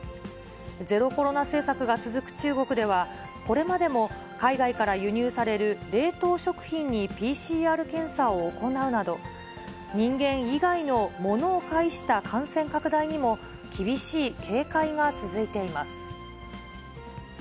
ゼロコロナ政策が続く中国では、これまでも海外から輸入される冷凍食品にＰＣＲ検査を行うなど、人間以外のものを介した感染拡大にも、厳しい警戒が続いています。